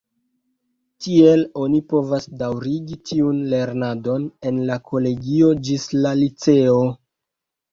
Tiel, oni povas daŭrigi tiun lernadon en la kolegio ĝis la liceo.